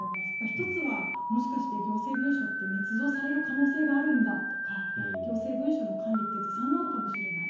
１つは、もしかして行政文書ってねつ造される可能性があるんだとか行政文書の管理ってずさんなのかもしれない。